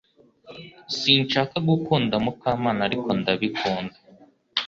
Sinshaka gukunda Mukamana ariko ndabikunda